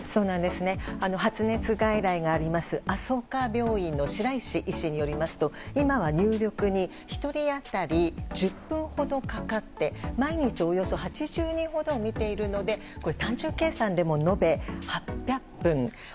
発熱外来がありますあそか病院の白石医師によりますと今は入力に１人当たり１０分ほどかかって毎日およそ８０人ほどを診ているので単純計算でも延べ８００分。